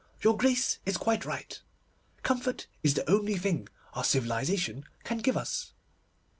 Your Grace is quite right. Comfort is the only thing our civilisation can give us.